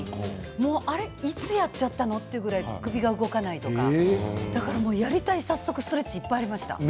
あれ、いつやっちゃったっていうぐらい首が動かないとか早速やりたいストレッチがいっぱいありました。